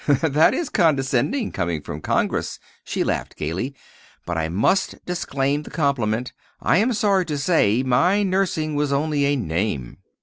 "That is condescending, coming from Congress," she laughed gayly; "but I must disclaim the compliment, I am sorry to say; my nursing was only a name."